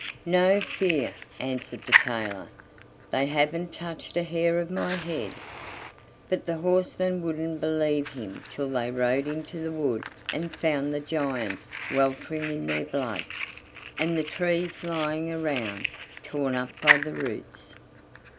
"No fear," answered the tailor; "they haven't touched a hair of my head." But the horsemen wouldn't believe him till they rode into the wood and found the giants weltering in their blood, and the trees lying around, torn up by the roots.